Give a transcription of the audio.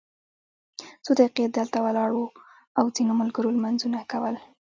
څو دقیقې دلته ولاړ وو او ځینو ملګرو لمونځونه کول.